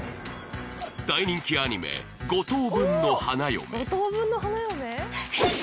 大人気アニメ「五等分の花嫁∬」変態！